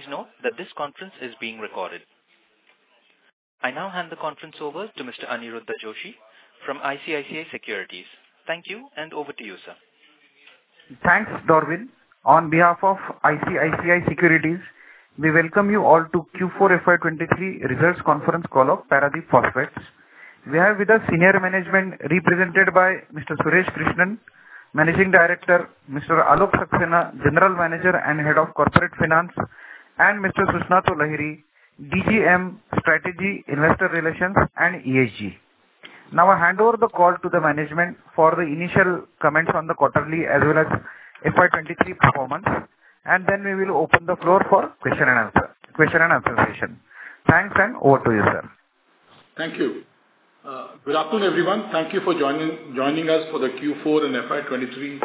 Please note that this conference is being recorded. I now hand the conference over to Mr. Aniruddha Joshi from ICICI Securities. Thank you, and over to you, sir. Thanks, Darwin. On behalf of ICICI Securities, we welcome you all to Q4 FY23 Results Conference Call of Paradeep Phosphates. We have with us Senior Management represented by Mr. Suresh Krishnan, Managing Director Mr. Alok Saxena, General Manager and Head of Corporate Finance, and Mr. Susnato Lahiri, DGM Strategy Investor Relations and ESG. Now I hand over the call to the management for the initial comments on the quarterly as well as FY23 performance, and then we will open the floor for question and answer session. Thanks, and over to you, sir. Thank you. Good afternoon, everyone. Thank you for joining us for the Q4 and FY23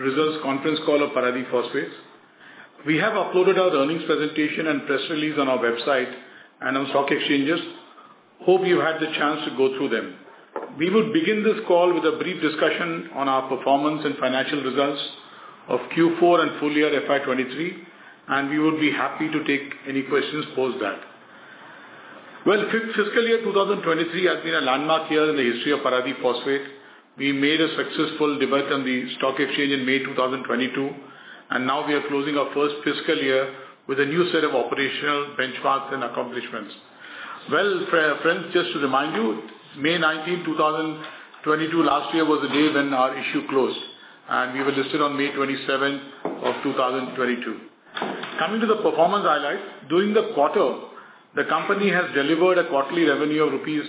Results Conference Call of Paradeep Phosphates. We have uploaded our earnings presentation and press release on our website and on stock exchanges. Hope you've had the chance to go through them. We would begin this call with a brief discussion on our performance and financial results of Q4 and full year FY23, and we would be happy to take any questions after that. Well, fiscal year 2023 has been a landmark year in the history of Paradeep Phosphates. We made a successful debut on the stock exchange in May 2022, and now we are closing our first fiscal year with a new set of operational benchmarks and accomplishments. Well, friends, just to remind you, May 19, 2022, last year was the day when our issue closed, and we were listed on May 27 of 2022. Coming to the performance highlights, during the quarter, the company has delivered a quarterly revenue of rupees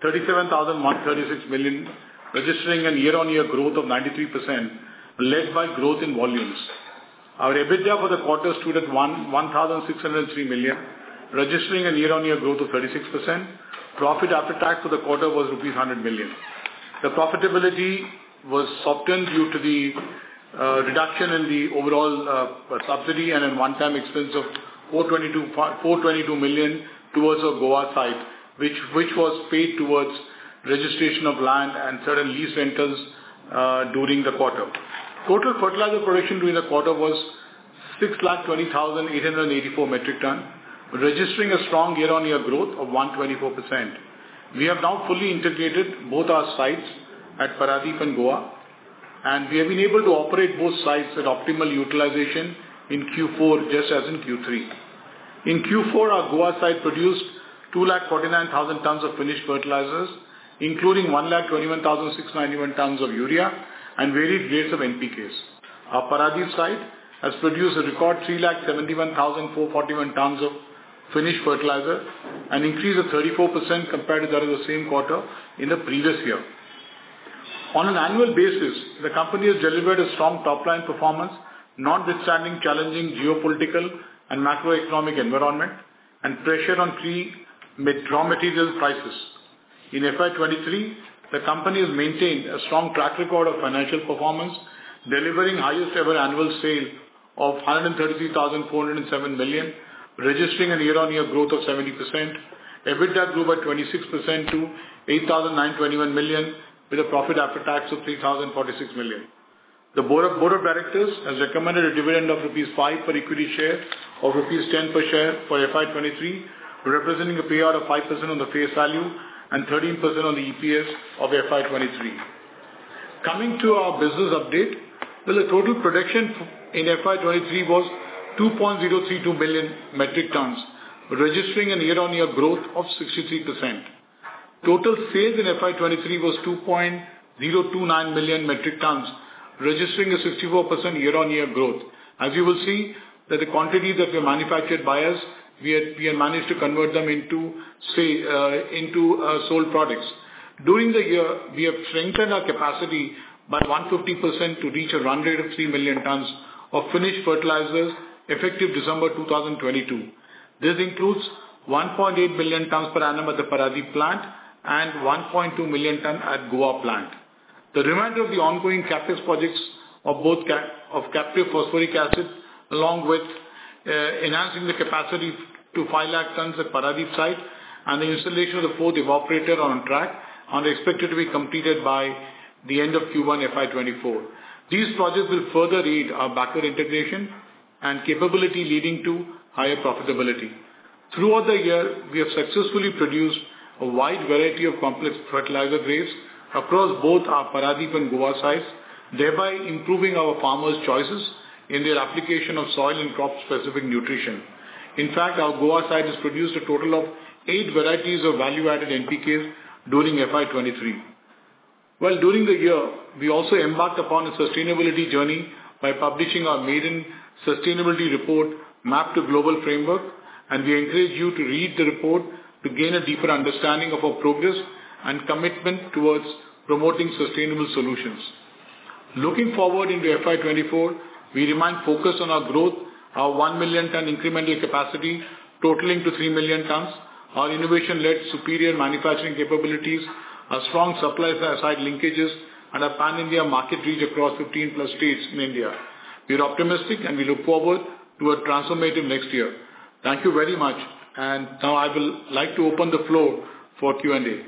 37,136 million, registering a year-on-year growth of 93% led by growth in volumes. Our EBITDA for the quarter stood at 1,603 million, registering a year-on-year growth of 36%. Profit after tax for the quarter was rupees 100 million. The profitability was softened due to the reduction in the overall subsidy and one-time expense of 422 million towards our Goa site, which was paid towards registration of land and certain lease rentals during the quarter. Total fertilizer production during the quarter was 620,884 metric tons, registering a strong year-on-year growth of 124%. We have now fully integrated both our sites at Paradeep and Goa, and we have been able to operate both sites at optimal utilization in Q4 just as in Q3. In Q4, our Goa site produced 249,000 tons of finished fertilizers, including 121,691 tons of urea and varied rates of NPKs. Our Paradeep site has produced a record 371,441 tons of finished fertilizer and increased a 34% compared to that of the same quarter in the previous year. On an annual basis, the company has delivered a strong top-line performance notwithstanding challenging geopolitical and macroeconomic environment and pressure on raw material prices. In FY23, the company has maintained a strong track record of financial performance, delivering highest-ever annual sales of 133,407 million, registering a year-on-year growth of 70%. EBITDA grew by 26% to 8,921 million with a profit after tax of 3,046 million. The Board of Directors has recommended a dividend of rupees 5 per equity share or rupees 10 per share for FY23, representing a payout of 5% on the face value and 13% on the EPS of FY23. Coming to our business update, well, the total production in FY23 was 2.032 million metric tons, registering a year-on-year growth of 63%. Total sales in FY23 was 2.029 million metric tons, registering a 64% year-on-year growth. As you will see, the quantities that were manufactured by us, we had managed to convert them into sold products. During the year, we have strengthened our capacity by 150% to reach a run rate of 3 million tons of finished fertilizers effective December 2022. This includes 1.8 million tons per annum at the Paradeep plant and 1.2 million tons at Goa plant. The remainder of the ongoing captive projects of both captive phosphoric acid along with enhancing the capacity to 500,000 tons at Paradeep site and the installation of the fourth evaporator on track are expected to be completed by the end of Q1 FY24. These projects will further aid our backward integration and capability leading to higher profitability. Throughout the year, we have successfully produced a wide variety of complex fertilizer grades across both our Paradeep and Goa sites, thereby improving our farmers' choices in their application of soil and crop-specific nutrition. In fact, our Goa site has produced a total of eight varieties of value-added NPKs during FY 2023. Well, during the year, we also embarked upon a sustainability journey by publishing our maiden sustainability report, mapped to global framework, and we encourage you to read the report to gain a deeper understanding of our progress and commitment towards promoting sustainable solutions. Looking forward into FY 2024, we remain focused on our growth, our 1 million ton incremental capacity totaling to 3 million tons, our innovation-led superior manufacturing capabilities, our strong supply-side linkages, and our pan-India market reach across 15+ states in India. We are optimistic, and we look forward to a transformative next year. Thank you very much. Now I would like to open the floor for Q&A.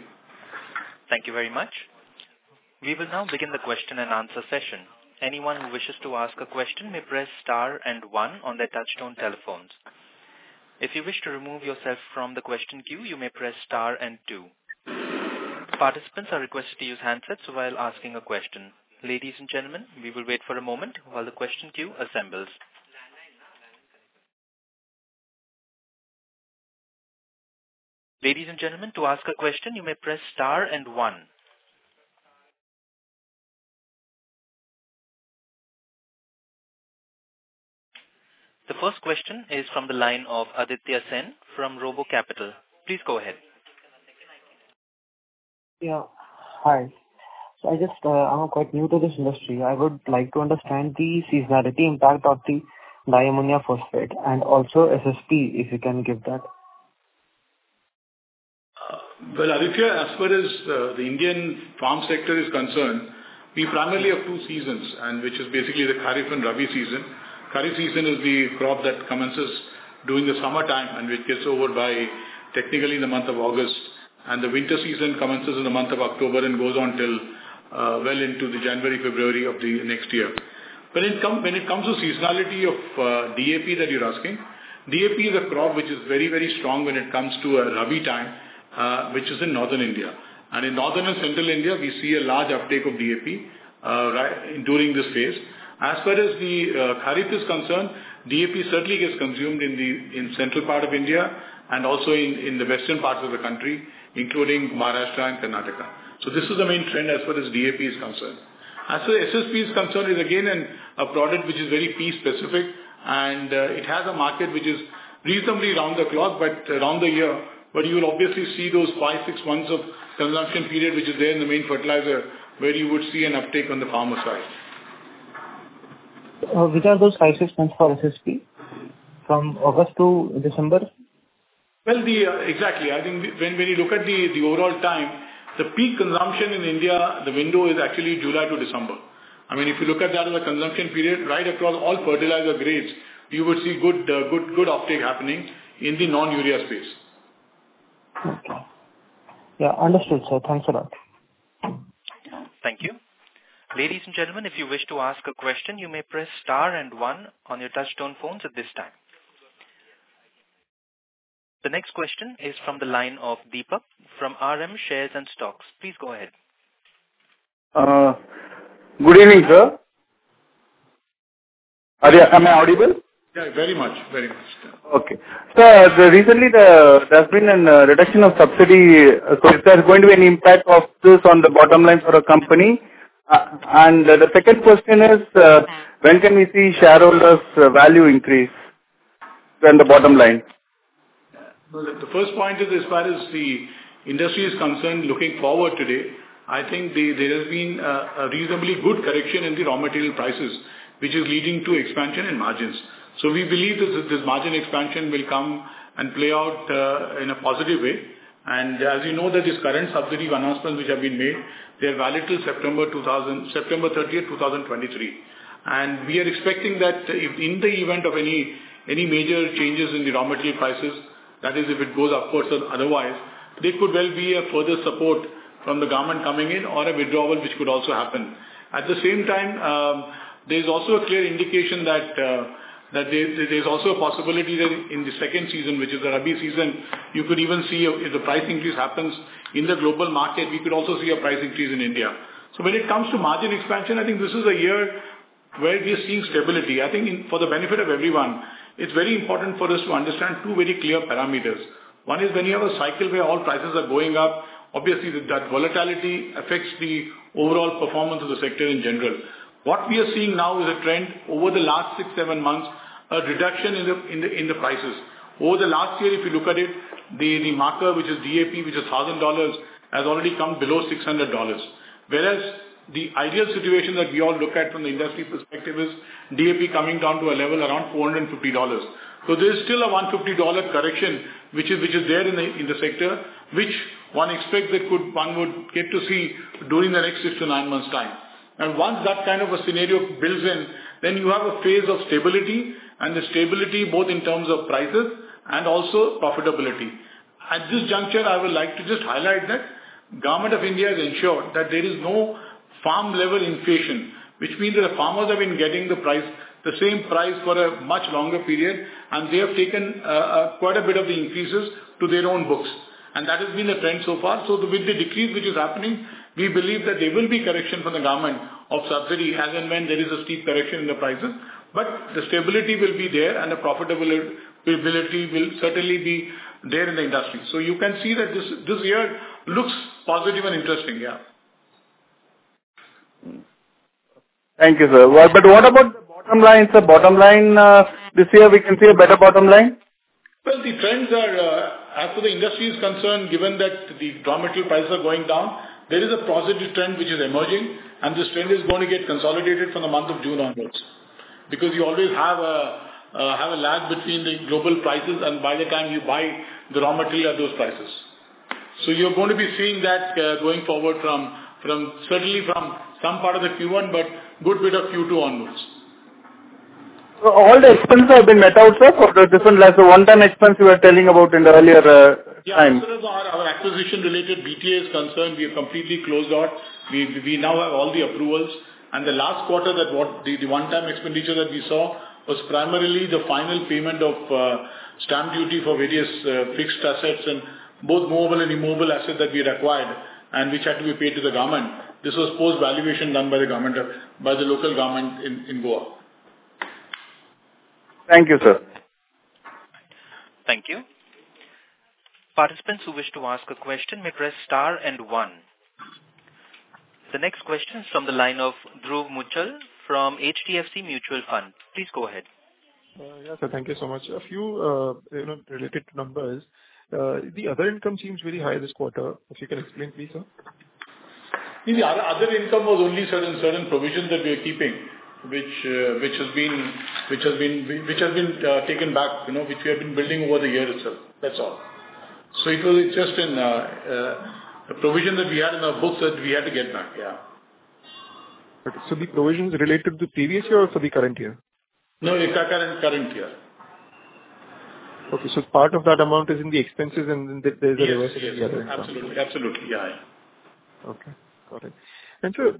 Thank you very much. We will now begin the question and answer session. Anyone who wishes to ask a question may press star and one on their touch-tone telephones. If you wish to remove yourself from the question queue, you may press star and two. Participants are requested to use handsets while asking a question. Ladies and gentlemen, we will wait for a moment while the question queue assembles. Ladies and gentlemen, to ask a question, you may press star and one. The first question is from the line of Aditya Sen from Robo Capital. Please go ahead. Yeah. Hi. So I'm quite new to this industry. I would like to understand the seasonality impact of the diammonium phosphate and also SSP, if you can give that. Well, Aditya, as far as the Indian farm sector is concerned, we primarily have two seasons, which is basically the Kharif and Rabi season. Kharif season is the crop that commences during the summertime and which gets over by technically in the month of August. The winter season commences in the month of October and goes on till well into the January, February of the next year. When it comes to seasonality of DAP that you're asking, DAP is a crop which is very, very strong when it comes to a Rabi time, which is in northern India. In northern and central India, we see a large uptake of DAP during this phase. As far as the Kharif is concerned, DAP certainly gets consumed in the central part of India and also in the western parts of the country, including Maharashtra and Karnataka. This is the main trend as far as DAP is concerned. As for SSP is concerned, it is again a product which is very place-specific, and it has a market which is reasonably round the clock but around the year. But you will obviously see those five to six months of consumption period which is there in the main fertilizer where you would see an uptake on the farmer side. Which are those five to six months for SSP? From August to December? Well, exactly. I think when we look at the overall time, the peak consumption in India, the window is actually July to December. I mean, if you look at that as a consumption period right across all fertilizer grades, you would see good uptake happening in the non-urea space. Okay. Yeah. Understood, sir. Thanks a lot. Thank you. Ladies and gentlemen, if you wish to ask a question, you may press star and one on your touch-tone phones at this time. The next question is from the line of Deepak from R M Shares and Stocks. Please go ahead. Good evening, sir. Are you? Am I audible? Yeah. Very much. Very much. Okay. So recently, there has been a reduction of subsidy. So is there going to be an impact of this on the bottom line for a company? And the second question is, when can we see shareholders' value increase on the bottom line? Well, the first point is as far as the industry is concerned, looking forward today, I think there has been a reasonably good correction in the raw material prices, which is leading to expansion in margins. So we believe that this margin expansion will come and play out in a positive way. And as you know, these current subsidy announcements which have been made, they are valid till September 30th, 2023. And we are expecting that in the event of any major changes in the raw material prices, that is, if it goes upwards or otherwise, there could well be a further support from the government coming in or a withdrawal which could also happen. At the same time, there's also a clear indication that there's also a possibility that in the second season, which is the Rabi season, you could even see if the price increase happens in the global market, we could also see a price increase in India. So when it comes to margin expansion, I think this is a year where we are seeing stability. I think for the benefit of everyone, it's very important for us to understand two very clear parameters. One is when you have a cycle where all prices are going up, obviously, that volatility affects the overall performance of the sector in general. What we are seeing now is a trend over the last six, seven months, a reduction in the prices. Over the last year, if you look at it, the marker which is DAP, which is $1,000, has already come below $600. Whereas the ideal situation that we all look at from the industry perspective is DAP coming down to a level around $450. So there is still a $150 correction which is there in the sector, which one expects that one would get to see during the next six to nine months' time. And once that kind of a scenario builds in, then you have a phase of stability, and the stability both in terms of prices and also profitability. At this juncture, I would like to just highlight that the Government of India has ensured that there is no farm-level inflation, which means that the farmers have been getting the same price for a much longer period, and they have taken quite a bit of the increases to their own books. And that has been the trend so far. So with the decrease which is happening, we believe that there will be correction from the government of subsidy as and when there is a steep correction in the prices. But the stability will be there, and the profitability will certainly be there in the industry. So you can see that this year looks positive and interesting. Yeah. Thank you, sir. But what about the bottom line, sir? Bottom line, this year, we can see a better bottom line? Well, the trends are as for the industry is concerned, given that the raw material prices are going down, there is a positive trend which is emerging, and this trend is going to get consolidated from the month of June onwards because you always have a lag between the global prices and by the time you buy the raw material at those prices. So you're going to be seeing that going forward, certainly from some part of the Q1 but a good bit of Q2 onwards. All the expenses have been met out, sir, for the different like the one-time expense you were telling about in the earlier time? Yeah. As far as our acquisition-related BTA is concerned, we have completely closed out. We now have all the approvals. The last quarter, the one-time expenditure that we saw was primarily the final payment of stamp duty for various fixed assets and both mobile and immobile assets that we had acquired and which had to be paid to the government. This was post-valuation done by the local government in Goa. Thank you, sir. Thank you. Participants who wish to ask a question may press star and one. The next question is from the line of Dhruv Muchhal from HDFC Mutual Fund. Please go ahead. Yeah, sir. Thank you so much. A few related numbers. The other income seems very high this quarter. If you can explain, please, sir. Yeah. The other income was only certain provisions that we are keeping, which has been taken back, which we have been building over the year itself. That's all. So it was just a provision that we had in our books that we had to get back. Yeah. Okay. So the provision is related to the previous year or for the current year? No, current year. Okay. So part of that amount is in the expenses, and then there's a reversal in the other income? Yes. Absolutely. Absolutely. Yeah. Yeah. Okay. Got it. And sir,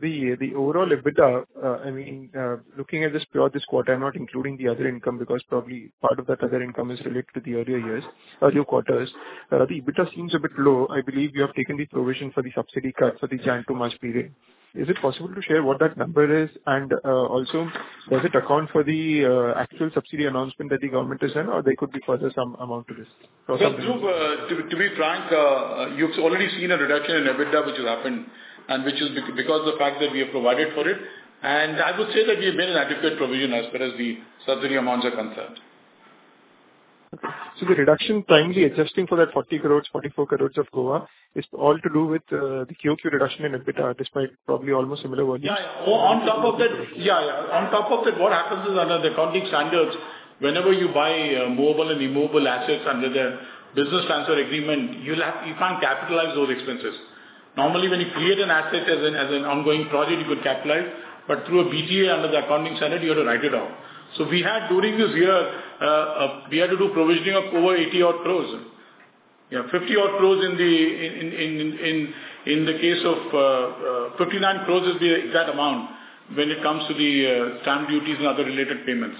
the overall EBITDA, I mean, looking at this quarter, I'm not including the other income because probably part of that other income is related to the earlier years, earlier quarters. The EBITDA seems a bit low. I believe you have taken the provision for the subsidy cut for the January to March period. Is it possible to share what that number is? And also, does it account for the actual subsidy announcement that the government has done, or there could be further some amount to this or something? Well, Dhruv, to be frank, you've already seen a reduction in EBITDA which has happened and which is because of the fact that we have provided for it. I would say that we have made an adequate provision as far as the subsidy amounts are concerned. Okay. So the reduction, kindly adjusting for that 40 crores, 44 crores of Goa, is all to do with the QQ reduction in EBITDA despite probably almost similar values? Yeah. On top of that, what happens is under the accounting standards, whenever you buy movable and immovable assets under the business transfer agreement, you can't capitalize those expenses. Normally, when you create an asset as an ongoing project, you could capitalize. But through a BTA under the accounting standard, you had to write it off. So during this year, we had to do provisioning of over 80-odd crore. Yeah. 50-odd crore in the case of 59 crore is the exact amount when it comes to the stamp duties and other related payments.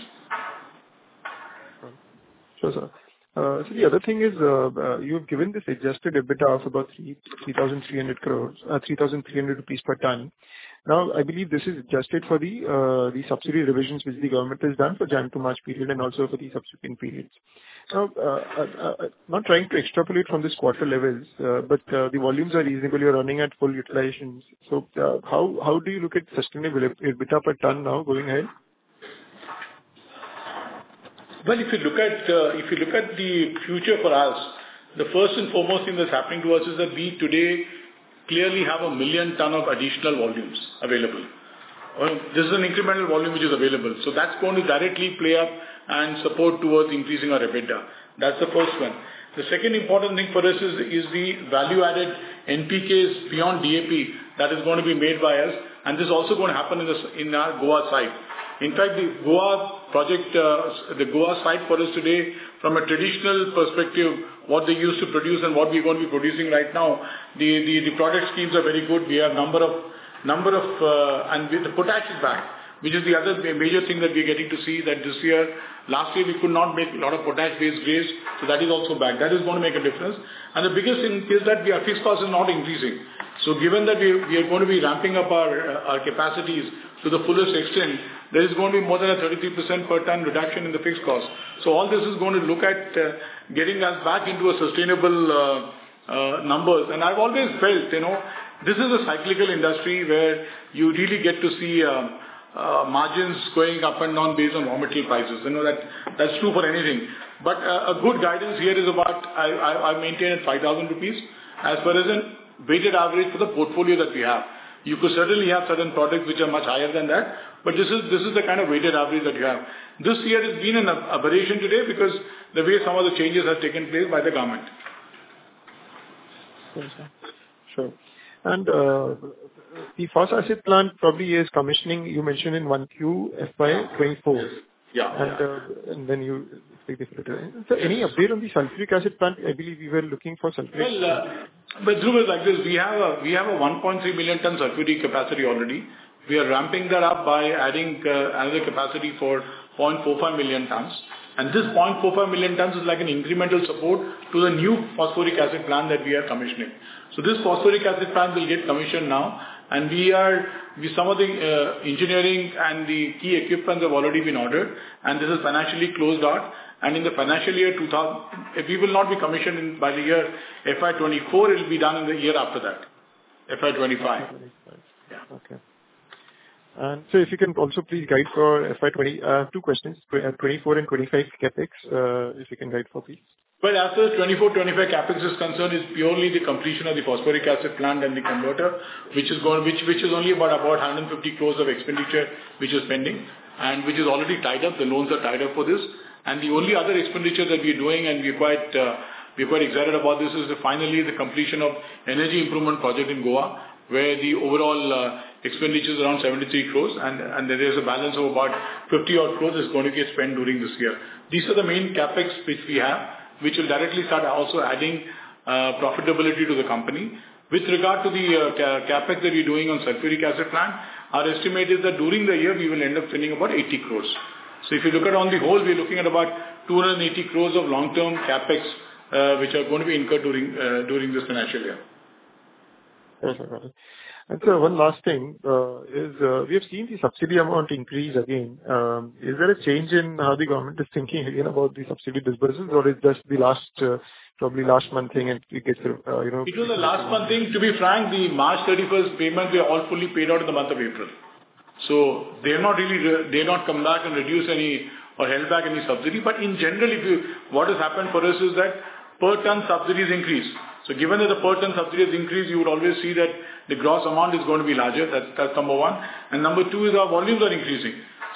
Sure, sir. So the other thing is you have given this adjusted EBITDA of about 3,300 per ton. Now, I believe this is adjusted for the subsidy revisions which the government has done for January to March period and also for the subsequent periods. Now, I'm not trying to extrapolate from this quarter levels, but the volumes are reasonable. You're running at full utilizations. So how do you look at sustainable EBITDA per ton now going ahead? Well, if you look at the future for us, the first and foremost thing that's happening to us is that we today clearly have 1 million ton of additional volumes available. This is an incremental volume which is available. So that's going to directly play up and support towards increasing our EBITDA. That's the first one. The second important thing for us is the value-added NPKs beyond DAP that is going to be made by us. And this is also going to happen in our Goa site. In fact, the Goa project, the Goa site for us today, from a traditional perspective, what they used to produce and what we're going to be producing right now, the product schemes are very good. We have a number of and the potash is back, which is the other major thing that we're getting to see that this year. Last year, we could not make a lot of potash-based grades. So that is also back. That is going to make a difference. And the biggest thing is that our fixed cost is not increasing. So given that we are going to be ramping up our capacities to the fullest extent, there is going to be more than a 33% per ton reduction in the fixed cost. So all this is going to look at getting us back into sustainable numbers. And I've always felt this is a cyclical industry where you really get to see margins going up and down based on raw material prices. That's true for anything. But a good guidance here is about I maintain at 5,000 rupees as far as a weighted average for the portfolio that we have. You could certainly have certain products which are much higher than that, but this is the kind of weighted average that you have. This year has been an aberration today because of the way some of the changes have taken place by the government. Sure, sir. Sure. And the phosphoric acid plant probably is commissioning, you mentioned, in 1QFY 2024. And then you speak this a little bit. Sir, any update on the sulfuric acid plant? I believe we were looking for sulfuric. Well, Dhruv, it's like this. We have a 1.3 million ton sulfuric capacity already. We are ramping that up by adding another capacity for 0.45 million tons. And this 0.45 million tons is an incremental support to the new phosphoric acid plant that we are commissioning. So this phosphoric acid plant will get commissioned now. And some of the engineering and the key equipment have already been ordered, and this is financially closed out. And in the financial year, we will not be commissioned by the year FY 2024. It'll be done in the year after that, FY 2025. FY2025. Okay. Sir, if you can also please guide for FY 2024, two questions, 2024 and 2025 CAPEX, if you can guide for, please. Well, as far as 2024, 2025 CAPEX is concerned, it's purely the completion of the phosphoric acid plant and the converter, which is only about 150 crores of expenditure which is pending and which is already tied up. The loans are tied up for this. And the only other expenditure that we are doing and we're quite excited about this is finally the completion of the energy improvement project in Goa where the overall expenditure is around 73 crores. And there is a balance of about 50-odd crores that's going to get spent during this year. These are the main CAPEX which we have, which will directly start also adding profitability to the company. With regard to the CAPEX that we're doing on the sulfuric acid plant, our estimate is that during the year, we will end up spending about 80 crores. If you look at it on the whole, we are looking at about 280 crore of long-term CAPEX which are going to be incurred during this financial year. Perfect. Got it. And sir, one last thing is we have seen the subsidy amount increase again. Is there a change in how the government is thinking again about the subsidy disbursements, or is that probably last month thing, and it gets sort of? It was the last month thing. To be frank, the March 31st payment, we all fully paid out in the month of April. So they're not really come back and reduce any or held back any subsidy. But in general, what has happened for us is that per ton subsidy has increased. So given that the per ton subsidy has increased, you would always see that the gross amount is going to be larger. That's number one. And number two is our volumes are increasing.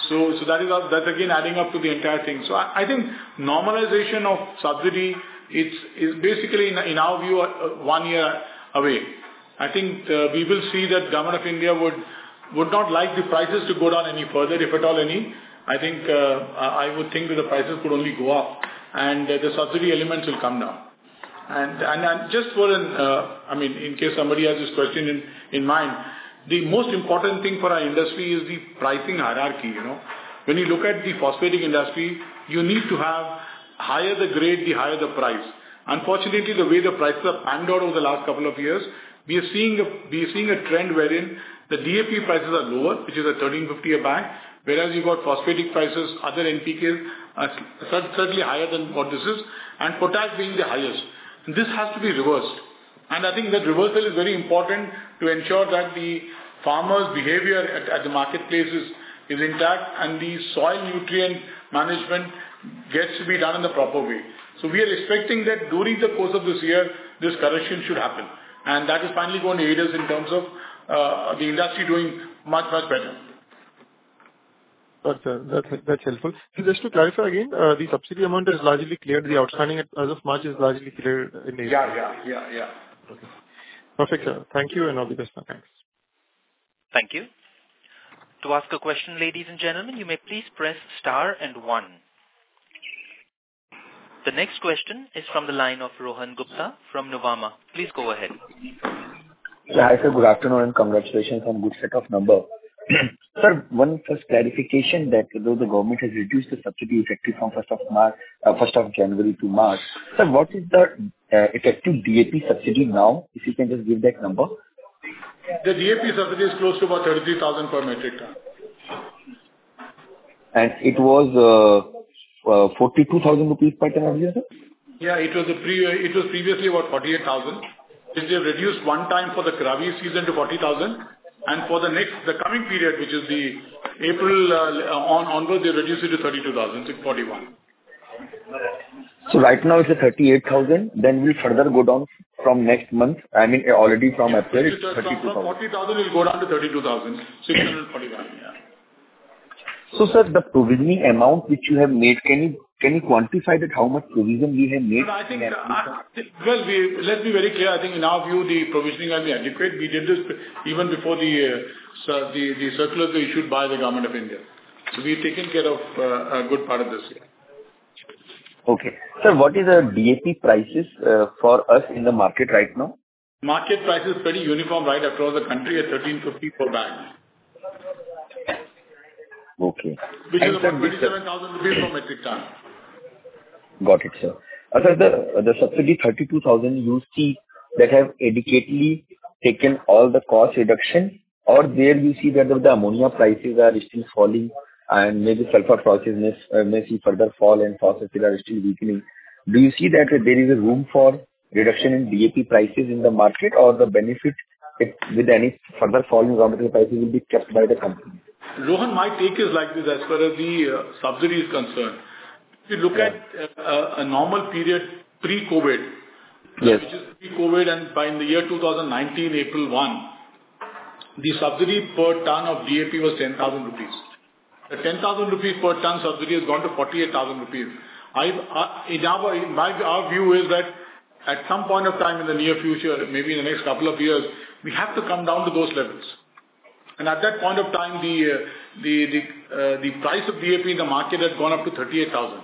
So that's again adding up to the entire thing. So I think normalization of subsidy, it's basically, in our view, one year away. I think we will see that the Government of India would not like the prices to go down any further, if at all any. I would think that the prices could only go up, and the subsidy elements will come down. Just for an, I mean, in case somebody has this question in mind, the most important thing for our industry is the pricing hierarchy. When you look at the phosphatic industry, you need to have higher the grade, the higher the price. Unfortunately, the way the prices have panned out over the last couple of years, we are seeing a trend wherein the DAP prices are lower, which is 1,350 a bag, whereas you've got phosphatic prices, other NPKs, certainly higher than what this is, and potash being the highest. This has to be reversed. I think that reversal is very important to ensure that the farmers' behavior at the marketplace is intact and the soil nutrient management gets to be done in the proper way. So we are expecting that during the course of this year, this correction should happen. And that is finally going to aid us in terms of the industry doing much, much better. Got it, sir. That's helpful. And just to clarify again, the subsidy amount has largely cleared. The outstanding as of March is largely cleared in April. Yeah. Yeah. Yeah. Yeah. Okay. Perfect, sir. Thank you, and all the best now. Thanks. Thank you. To ask a question, ladies and gentlemen, you may please press star and one. The next question is from the line of Rohan Gupta from Nuvama. Please go ahead. Yeah. Hi, sir. Good afternoon and congratulations on a good set of numbers. Sir, one first clarification that though the government has reduced the subsidy effectively from 1st of January to March, sir, what is the effective DAP subsidy now? If you can just give that number. The DAP subsidy is close to about 33,000 per metric ton. It was 42,000 rupees per ton, have you said? Yeah. It was previously about 48,000. They've reduced one time for the Kharif season to 40,000. For the coming period, which is April onwards, they've reduced it to 32,000, 641. Right now, it's 38,000. Then we'll further go down from next month. I mean, already from April, it's 32,000. From 40,000, it'll go down to 32,641. Yeah. Sir, the provisioning amount which you have made, can you quantify that how much provision we have made in the past? Well, let's be very clear. I think, in our view, the provisioning has been adequate. We did this even before the circulars were issued by the Government of India. So we've taken care of a good part of this year. Okay. Sir, what is the DAP prices for us in the market right now? Market price is pretty uniform right across the country at 1,350 per bag, which is about 27,000 rupees per metric ton. Got it, sir. Sir, the subsidy 32,000, you see that have indicatively taken all the cost reduction, or there you see that the ammonia prices are still falling, and maybe sulfur processes may see further fall, and phosphorus are still weakening. Do you see that there is a room for reduction in DAP prices in the market, or the benefit with any further fall in raw material prices will be kept by the company? Rohan, my take is like this as far as the subsidy is concerned. If you look at a normal period pre-COVID, which is pre-COVID, and by the year 2019, April 1, the subsidy per ton of DAP was 10,000 rupees. The 10,000 rupees per ton subsidy has gone to 48,000 rupees. In our view, is that at some point of time in the near future, maybe in the next couple of years, we have to come down to those levels. And at that point of time, the price of DAP in the market had gone up to 38,000.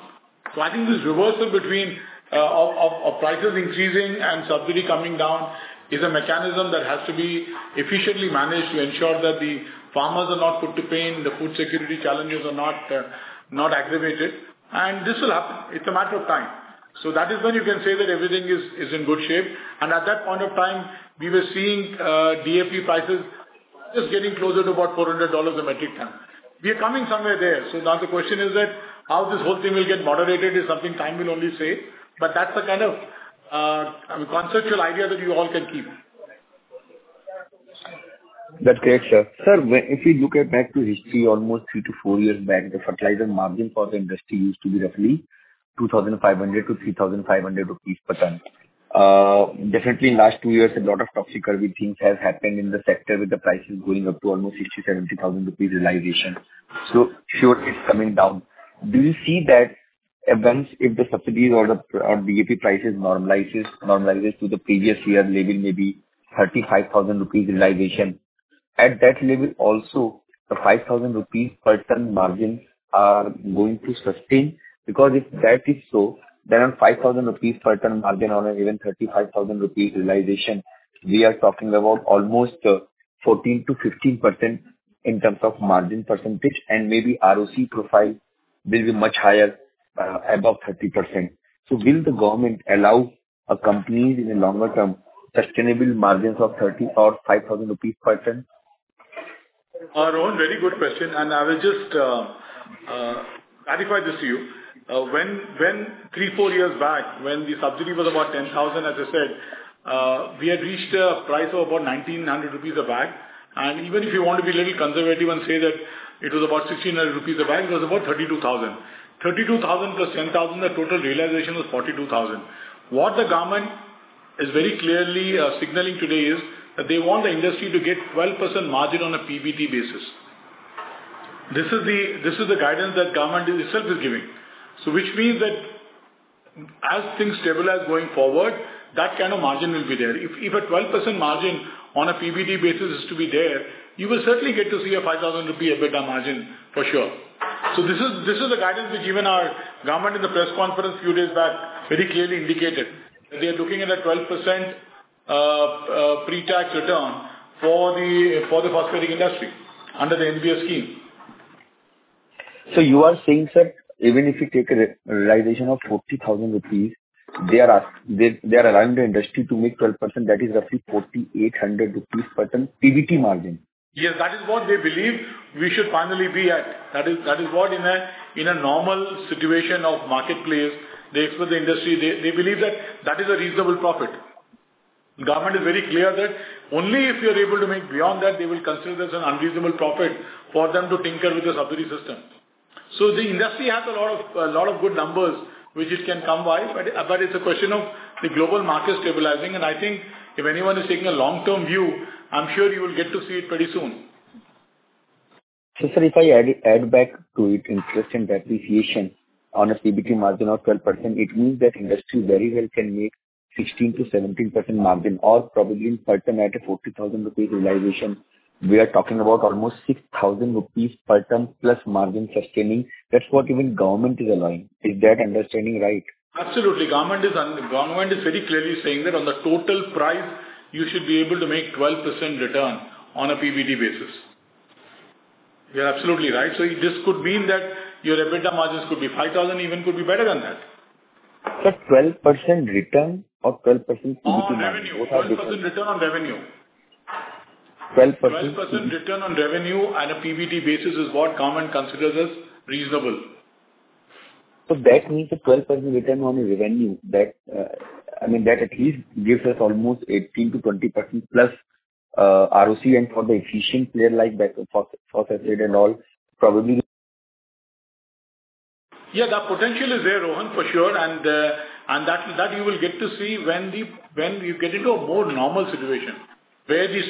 So I think this reversal between prices increasing and subsidy coming down is a mechanism that has to be efficiently managed to ensure that the farmers are not put to pain, the food security challenges are not aggravated. And this will happen. It's a matter of time. So that is when you can say that everything is in good shape. And at that point of time, we were seeing DAP prices just getting closer to about $400 a metric ton. We are coming somewhere there. So now the question is that how this whole thing will get moderated is something time will only say. But that's the kind of conceptual idea that you all can keep. That's great, sir. Sir, if we look back to history, almost three to four years back, the fertilizer margin for the industry used to be roughly 2,500-3,500 rupees per ton. Definitely, in the last two years, a lot of toxic crazy things have happened in the sector with the prices going up to almost 60,000-70,000 rupees realization. So sure, it's coming down. Do you see that even if the subsidies or DAP prices normalize to the previous year level, maybe 35,000 rupees realization, at that level also, the 5,000 rupees per ton margins are going to sustain? Because if that is so, then on 5,000 rupees per ton margin or even 35,000 rupees realization, we are talking about almost 14%-15% in terms of margin percentage. And maybe ROC profile will be much higher, above 30%. Will the government allow companies in the longer term sustainable margins of 30 or 5,000 rupees per ton? Rohan, very good question. I will just clarify this to you. three to four years back, when the subsidy was about 10,000, as I said, we had reached a price of about 1,900 rupees a bag. Even if you want to be a little conservative and say that it was about 1,600 rupees a bag, it was about 32,000. 32,000+ 10,000, the total realization was 42,000. What the government is very clearly signaling today is that they want the industry to get 12% margin on a PBT basis. This is the guidance that the government itself is giving. So which means that as things stabilize going forward, that kind of margin will be there. If a 12% margin on a PBT basis is to be there, you will certainly get to see a 5,000 rupee a-bag margin for sure. This is the guidance which even our government in the press conference a few days back very clearly indicated that they are looking at a 12% pre-tax return for the phosphatic industry under the NBS scheme. So you are saying, sir, even if you take a realization of 40,000 rupees, they are allowing the industry to make 12%. That is roughly 4,800 rupees per ton PBT margin. Yes. That is what they believe we should finally be at. That is what in a normal situation of marketplace, they expect the industry they believe that that is a reasonable profit. The government is very clear that only if you're able to make beyond that, they will consider this an unreasonable profit for them to tinker with the subsidy system. So the industry has a lot of good numbers which it can come by. But it's a question of the global market stabilizing. And I think if anyone is taking a long-term view, I'm sure you will get to see it pretty soon. So, sir, if I add back to it, interest and depreciation on a PBT margin of 12%, it means that industry very well can make 16%-17% margin or probably per ton at a 40,000 rupees realization. We are talking about almost 6,000 rupees per ton+ margin sustaining. That's what even government is allowing. Is that understanding right? Absolutely. Government is very clearly saying that on the total price, you should be able to make 12% return on a PBT basis. You're absolutely right. So this could mean that your EBITDA margins could be 5,000, even could be better than that. Sir, 12% return or 12% PBT margin, both are different. 12% return on revenue. 12%. 12% return on revenue on a PBT basis is what government considers as reasonable. That means a 12% return on revenue. I mean, that at least gives us almost 18%-20%+ ROC. For the efficient player like phosphatic and all, probably. Yes. The potential is there, Rohan, for sure. And that you will get to see when you get into a more normal situation where this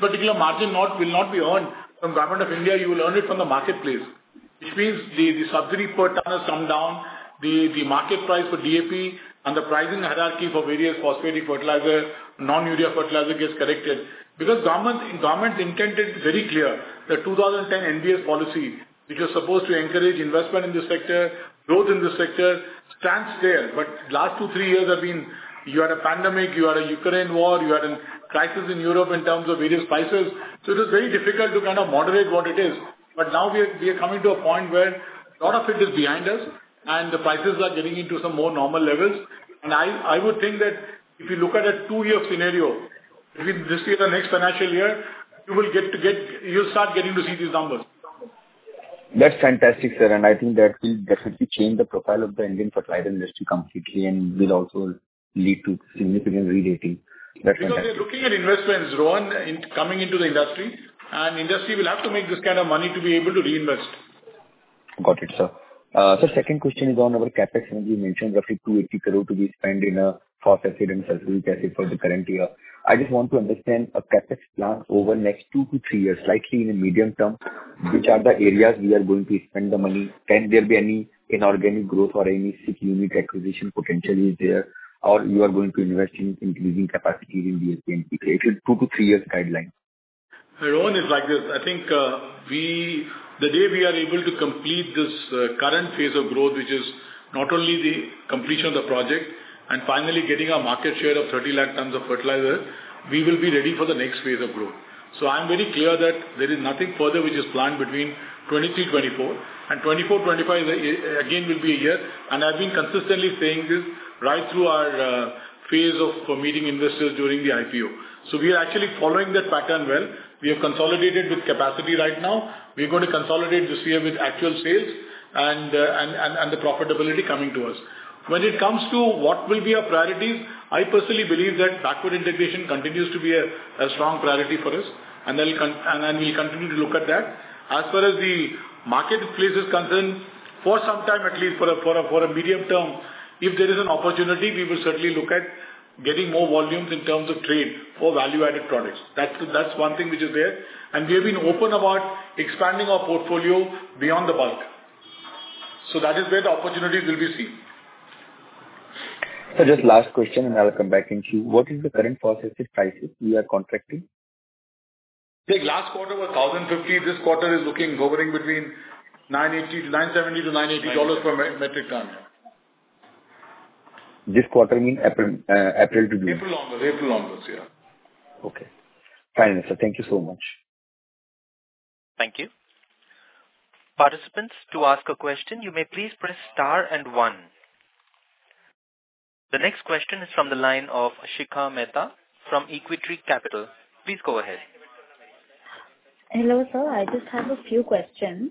particular margin will not be earned from the Government of India. You will earn it from the marketplace, which means the subsidy per ton has come down, the market price for DAP, and the pricing hierarchy for various phosphatic fertilizer, non-urea fertilizer gets corrected. Because government's intent is very clear. The 2010 NBS policy, which was supposed to encourage investment in the sector, growth in the sector, stands there. But the last two, three years have been you had a pandemic, you had a Ukraine war, you had a crisis in Europe in terms of various prices. So it was very difficult to kind of moderate what it is. Now, we are coming to a point where a lot of it is behind us, and the prices are getting into some more normal levels. I would think that if you look at a two-year scenario, between this year and next financial year, you'll start getting to see these numbers. That's fantastic, sir. I think that will definitely change the profile of the Indian fertilizer industry completely and will also lead to significant re-rating. That's fantastic. Because they're looking at investments, Rohan, coming into the industry. And industry will have to make this kind of money to be able to reinvest. Got it, sir. Sir, second question is on our CAPEX. You mentioned roughly 280 crore to be spent in phosphatic and sulfuric acid for the current year. I just want to understand a CAPEX plan over next two to three years, slightly in the medium term, which are the areas we are going to spend the money? Can there be any inorganic growth or any sick unit acquisition potentially there, or you are going to invest in increasing capacity in DAP and PK? It's a two to three years guideline. Rohan, it's like this. I think the day we are able to complete this current phase of growth, which is not only the completion of the project and finally getting our market share of 30 lakh tons of fertilizer, we will be ready for the next phase of growth. So I'm very clear that there is nothing further which is planned between 2023-2024. And 2024-2025, again, will be a year. And I've been consistently saying this right through our phase of meeting investors during the IPO. So we are actually following that pattern well. We have consolidated with capacity right now. We're going to consolidate this year with actual sales and the profitability coming to us. When it comes to what will be our priorities, I personally believe that backward integration continues to be a strong priority for us. And we'll continue to look at that. As far as the marketplace is concerned, for some time at least, for a medium term, if there is an opportunity, we will certainly look at getting more volumes in terms of trade for value-added products. That's one thing which is there. We have been open about expanding our portfolio beyond the bulk. That is where the opportunities will be seen. Sir, just last question, and I'll come back to you. What is the current phosphatic prices we are contracting? Last quarter was $1,050. This quarter is hovering between $970-$980 per metric ton. This quarter mean April to June? April onwards. April onwards. Yeah. Okay. Finally, sir, thank you so much. Thank you. Participants, to ask a question, you may please press star and one. The next question is from the line of Shikha Mehta from Equitree Capital. Please go ahead. Hello, sir. I just have a few questions.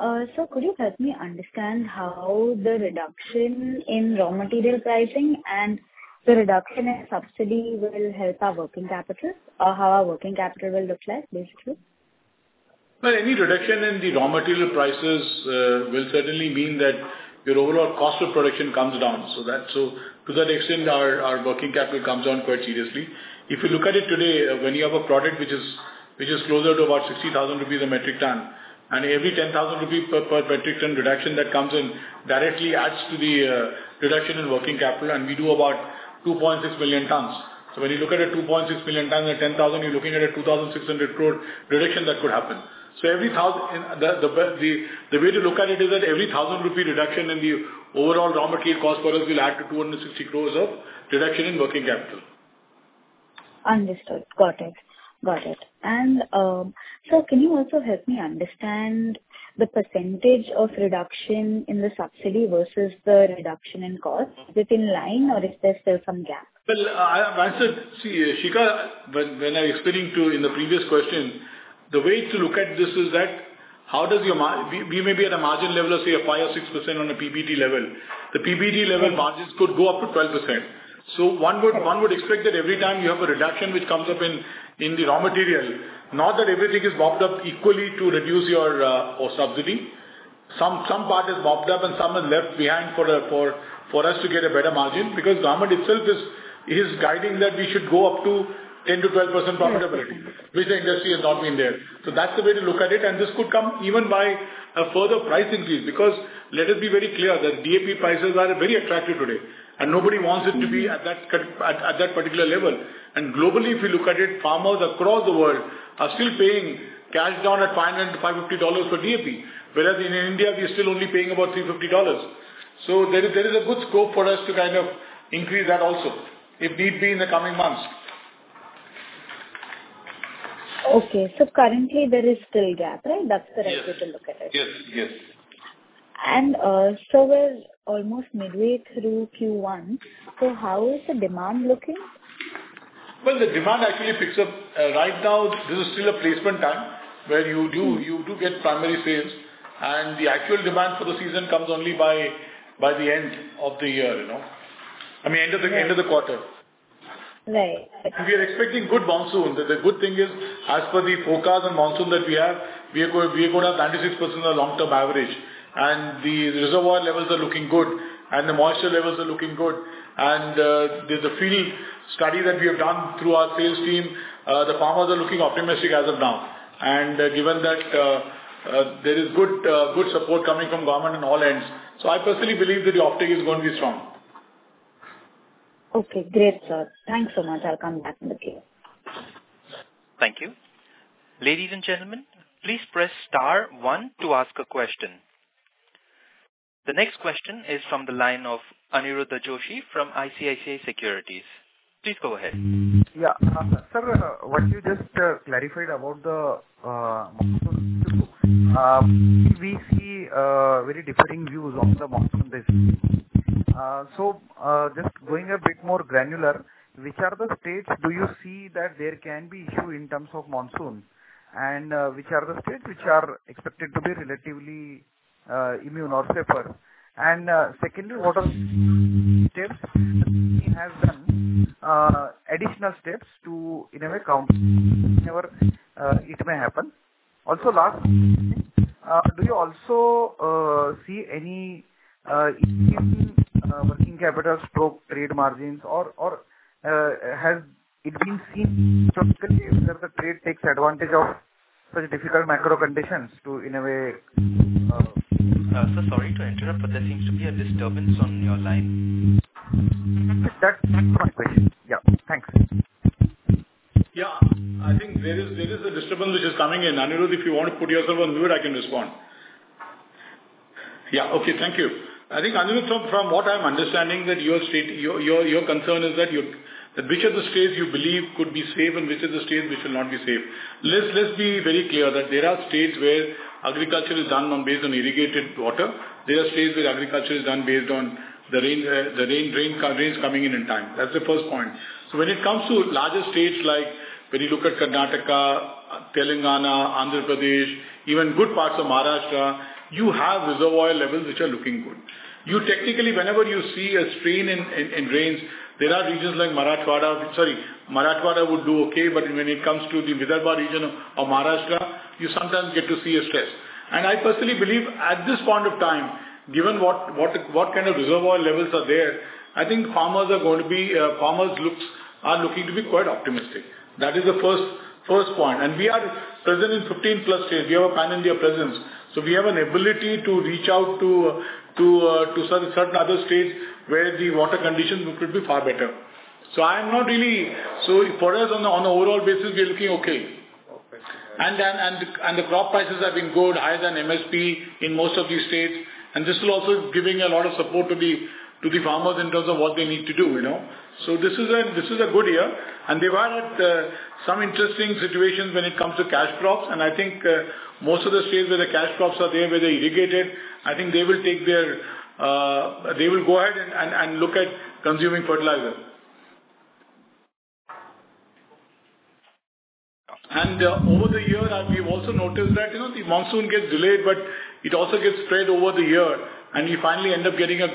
Sir, could you help me understand how the reduction in raw material pricing and the reduction in subsidy will help our working capital, or how our working capital will look like, basically? Well, any reduction in the raw material prices will certainly mean that your overall cost of production comes down. So to that extent, our working capital comes down quite seriously. If you look at it today, when you have a product which is closer to about 60,000 rupees per metric ton and every 10,000 rupees per metric ton reduction that comes in directly adds to the reduction in working capital, and we do about 2.6 million tons. So when you look at a 2.6 million ton and 10,000, you're looking at an 2,600 crore reduction that could happen. So the way to look at it is that every 1,000 rupee reduction in the overall raw material cost for us will add to 260 crore of reduction in working capital. Understood. Got it. Got it. And sir, can you also help me understand the percentage of reduction in the subsidy versus the reduction in cost? Is it in line, or is there still some gap? Well, see, Ashika, when I explained in the previous question, the way to look at this is that how does your we may be at a margin level of, say, a 5% or 6% on a PBT level. The PBT level margins could go up to 12%. So one would expect that every time you have a reduction which comes up in the raw material, not that everything is mopped up equally to reduce your subsidy. Some part is mopped up, and some is left behind for us to get a better margin because government itself is guiding that we should go up to 10%-12% profitability, which the industry has not been there. So that's the way to look at it. This could come even by a further price increase because let it be very clear that DAP prices are very attractive today, and nobody wants it to be at that particular level. Globally, if you look at it, farmers across the world are still paying cash down at $550 for DAP, whereas in India, we are still only paying about $350. There is a good scope for us to kind of increase that also, if need be, in the coming months. Okay. Currently, there is still gap, right? That's the right way to look at it. Yes. Yes. Yes. Sir, we're almost midway through Q1. How is the demand looking? Well, the demand actually picks up right now. This is still a placement time where you do get primary sales. The actual demand for the season comes only by the end of the year, I mean, end of the quarter. If you're expecting good monsoon, the good thing is, as per the forecast and monsoon that we have, we are going to have 96% on a long-term average. The reservoir levels are looking good, and the moisture levels are looking good. The field study that we have done through our sales team, the farmers are looking optimistic as of now. Given that there is good support coming from government on all ends, I personally believe that the optic is going to be strong. Okay. Great, sir. Thanks so much. I'll come back in the Q1. Thank you. Ladies and gentlemen, please press star one to ask a question. The next question is from the line of Aniruddha Joshi from ICICI Securities. Please go ahead. Yeah. Sir, what you just clarified about the monsoon, we see very differing views on the monsoon basis. So just going a bit more granular, which are the states do you see that there can be issue in terms of monsoon, and which are the states which are expected to be relatively immune or safer? And secondly, what are the steps that the government has done, additional steps to, in a way, counter whenever it may happen? Also, last question, do you also see any working capital stroke trade margins, or has it been seen historically where the trade takes advantage of such difficult macro conditions to, in a way? Sir, sorry to interrupt, but there seems to be a disturbance on your line. That's my question. Yeah. Thanks. Yeah. I think there is a disturbance which is coming in. Aniruddha, if you want to put yourself on mute, I can respond. Yeah. Okay. Thank you. I think, Aniruddha, from what I'm understanding, that your concern is that which of the states you believe could be safe and which of the states which will not be safe? Let's be very clear that there are states where agriculture is done based on irrigated water. There are states where agriculture is done based on the rain coming in time. That's the first point. So when it comes to larger states, like when you look at Karnataka, Telangana, Andhra Pradesh, even good parts of Maharashtra, you have reservoir levels which are looking good. Technically, whenever you see a strain in rains, there are regions like Marathwada, sorry, Marathwada would do okay. But when it comes to the Hyderabad region of Maharashtra, you sometimes get to see a stress. And I personally believe, at this point of time, given what kind of reservoir levels are there, I think farmers are looking to be quite optimistic. That is the first point. And we are present in 15+ states. We have a Pan-India presence. So we have an ability to reach out to certain other states where the water conditions could be far better. So I am not really so for us, on the overall basis, we are looking okay. And the crop prices have been good, higher than MSP in most of these states. And this will also be giving a lot of support to the farmers in terms of what they need to do. So this is a good year. They were at some interesting situations when it comes to cash crops. I think most of the states where the cash crops are there, where they irrigated, I think they will take their they will go ahead and look at consuming fertilizer. Over the year, we've also noticed that the monsoon gets delayed, but it also gets spread over the year. You finally end up getting a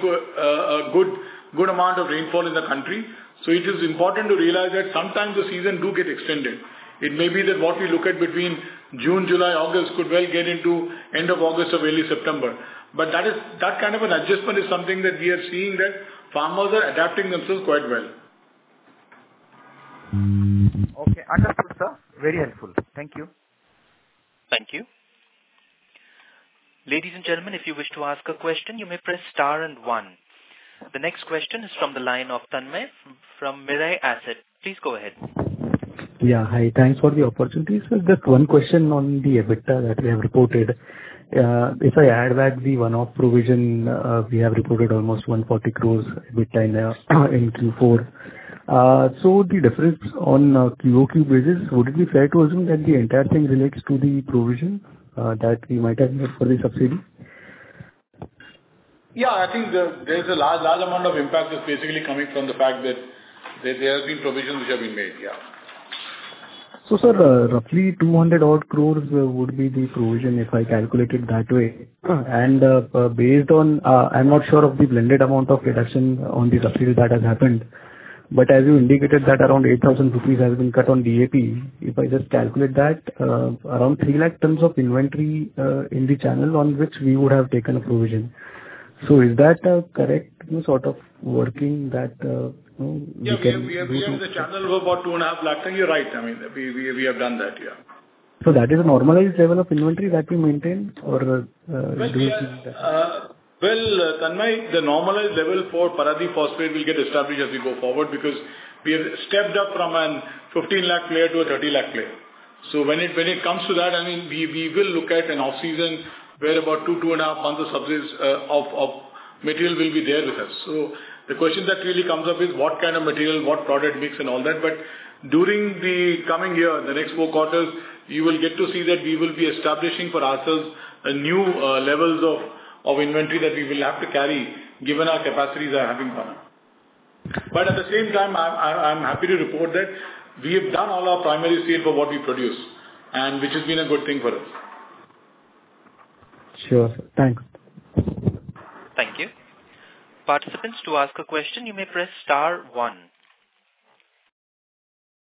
good amount of rainfall in the country. So it is important to realize that sometimes the season do get extended. It may be that what we look at between June, July, August could well get into end of August or early September. But that kind of an adjustment is something that we are seeing, that farmers are adapting themselves quite well. Okay. Understood, sir. Very helpful. Thank you. Thank you. Ladies and gentlemen, if you wish to ask a question, you may press star and one. The next question is from the line of Tanmay from Mirae Asset. Please go ahead. Yeah. Hi. Thanks for the opportunity. Sir, just one question on the EBITDA that we have reported. If I add back the one-off provision, we have reported almost 140 crore EBITDA in Q4. So the difference on QOQ basis, would it be fair to assume that the entire thing relates to the provision that we might have made for the subsidy? Yeah. I think there's a large amount of impact that's basically coming from the fact that there have been provisions which have been made. Yeah. So, sir, roughly 200-odd crore would be the provision if I calculated that way. And based on I'm not sure of the blended amount of reduction on the subsidy that has happened. But as you indicated, that's around 8,000 rupees has been cut on DAP. If I just calculate that, around 300,000 tons of inventory in the channel on which we would have taken a provision. So is that a correct sort of working that we can do so? Yeah. We have the channel for about 250,000 tons. You're right. I mean, we have done that. Yeah. That is a normalized level of inventory that we maintain, or do you think that? Well, Tanmay, the normalized level for Paradeep Phosphates will get established as we go forward because we have stepped up from a 15-lakh player to a 30-lakh player. So when it comes to that, I mean, we will look at an off-season where about 2-2.5 months of subsidies of material will be there with us. So the question that really comes up is what kind of material, what product mix, and all that. But during the coming year, the next four quarters, you will get to see that we will be establishing for ourselves new levels of inventory that we will have to carry given our capacities are having gone up. But at the same time, I'm happy to report that we have done all our primary sale for what we produce, which has been a good thing for us. Sure. Thanks. Thank you. Participants, to ask a question, you may press star one.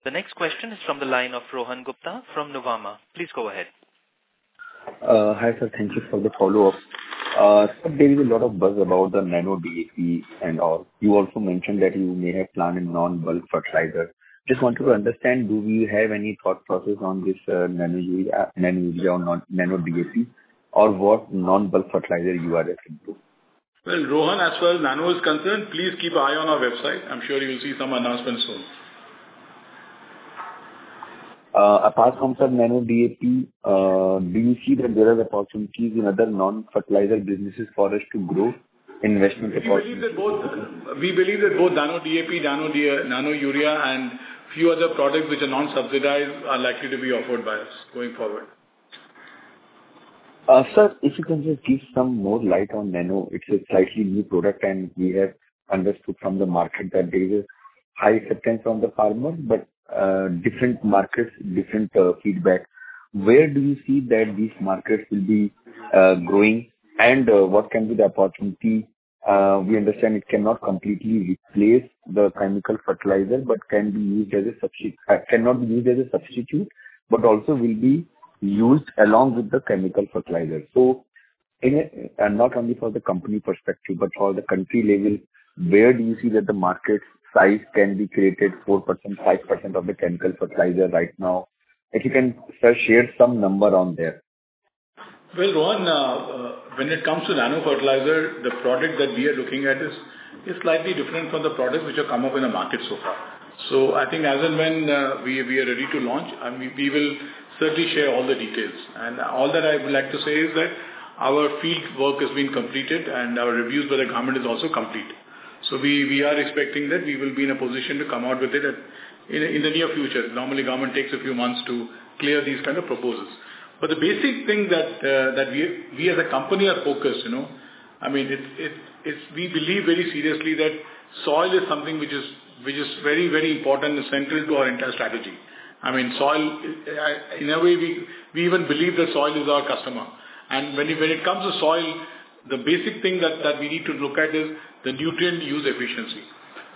The next question is from the line of Rohan Gupta from Nuvama. Please go ahead. Hi, sir. Thank you for the follow-up. There is a lot of buzz about the Nano DAP and all. You also mentioned that you may have planned a non-bulk fertilizer. Just wanted to understand, do we have any thought process on this Nano Urea or Nano DAP, or what non-bulk fertilizer you are referring to? Well, Rohan, as far as nano is concerned, please keep an eye on our website. I'm sure you will see some announcements soon. Apart from, sir, Nano DAP, do you see that there are opportunities in other non-fertilizer businesses for us to grow investment opportunities? We believe that both Nano DAP, Nano urea, and a few other products which are non-subsidized are likely to be offered by us going forward. Sir, if you can just give some more light on nano. It's a slightly new product, and we have understood from the market that there is high acceptance from the farmers, but different markets, different feedback. Where do you see that these markets will be growing, and what can be the opportunity? We understand it cannot completely replace the chemical fertilizer but cannot be used as a substitute but also will be used along with the chemical fertilizer. So not only from the company perspective but for the country level, where do you see that the market size can be created, 4%, 5% of the chemical fertilizer right now? If you can, sir, share some number on there. Well, Rohan, when it comes to nano fertilizer, the product that we are looking at is slightly different from the products which have come up in the market so far. So I think as and when we are ready to launch, we will certainly share all the details. And all that I would like to say is that our field work has been completed, and our reviews by the government is also complete. So we are expecting that we will be in a position to come out with it in the near future. Normally, government takes a few months to clear these kind of proposals. But the basic thing that we, as a company, are focused I mean, we believe very seriously that soil is something which is very, very important and central to our entire strategy. I mean, soil in a way, we even believe that soil is our customer. And when it comes to soil, the basic thing that we need to look at is the nutrient use efficiency.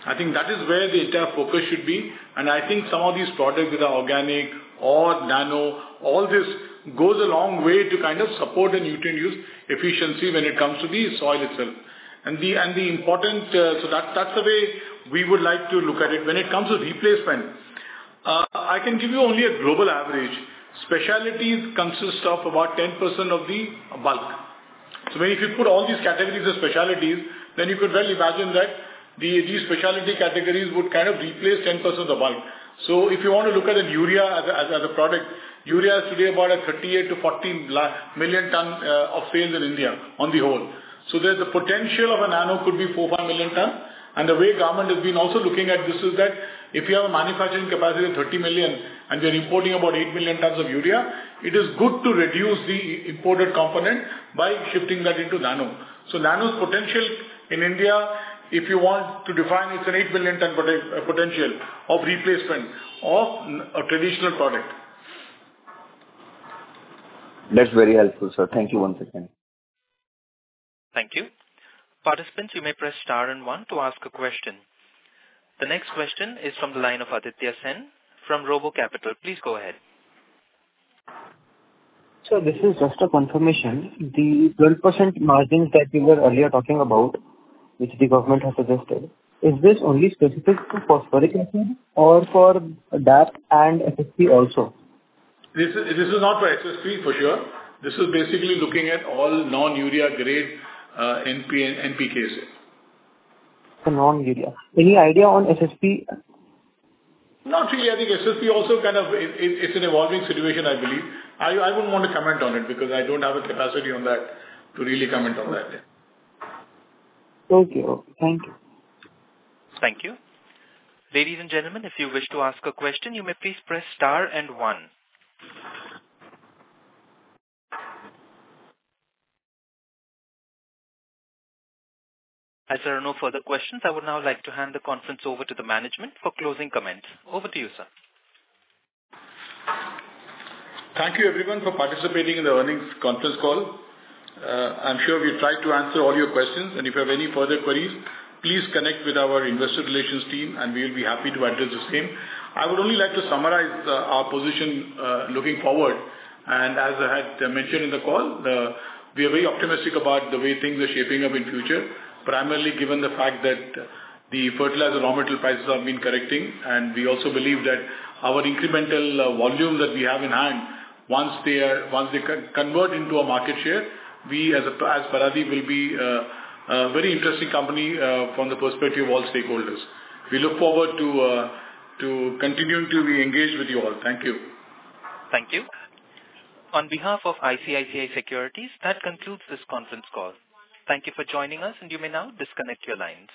I think that is where the entire focus should be. And I think some of these products with our organic or nano, all this goes a long way to kind of support the nutrient use efficiency when it comes to the soil itself. And the important so that's the way we would like to look at it. When it comes to replacement, I can give you only a global average. Specialties consist of about 10% of the bulk. So if you put all these categories as specialties, then you could well imagine that these specialty categories would kind of replace 10% of the bulk. So if you want to look at urea as a product, urea is today about 38-40 million tons of sales in India on the whole. So the potential of a nano could be 4-5 million tons. And the way government has been also looking at this is that if you have a manufacturing capacity of 30 million and you're importing about 8 million tons of urea, it is good to reduce the imported component by shifting that into nano. So nano's potential in India, if you want to define, it's an 8 million tons potential of replacement of a traditional product. That's very helpful, sir. Thank you once again. Thank you. Participants, you may press star and one to ask a question. The next question is from the line of Aditya Sen from Robo Capital. Please go ahead. Sir, this is just a confirmation. The 12% margins that you wre earlier talking about, which the government has suggested, is this only specific to phosphoric or for DAP and SSP also? This is not for SSP for sure. This is basically looking at all non-urea-grade NPKs. For non-urea. Any idea on SSP? Not really. I think SSP also kind of it's an evolving situation, I believe. I wouldn't want to comment on it because I don't have a capacity on that to really comment on that. Okay. Okay. Thank you. Thank you. Ladies and gentlemen, if you wish to ask a question, you may please press star and one. As there are no further questions, I would now like to hand the conference over to the management for closing comments. Over to you, sir. Thank you, everyone, for participating in the earnings conference call. I'm sure we tried to answer all your questions. If you have any further queries, please connect with our investor relations team, and we will be happy to address the same. I would only like to summarize our position looking forward. As I had mentioned in the call, we are very optimistic about the way things are shaping up in future, primarily given the fact that the fertilizer raw material prices have been correcting. We also believe that our incremental volume that we have in hand, once they convert into a market share, we, as Paradeep, will be a very interesting company from the perspective of all stakeholders. We look forward to continuing to be engaged with you all. Thank you. Thank you. On behalf of ICICI Securities, that concludes this conference call. Thank you for joining us, and you may now disconnect your lines.